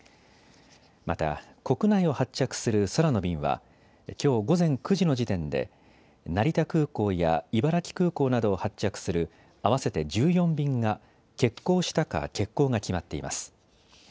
また、国内を発着する空の便はきょう午前９時の時点で成田空港や茨城空港などを発着する合わせて１４便が欠航したか欠航が決まっています。